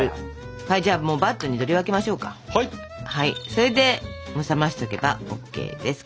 それで冷ましておけばＯＫです。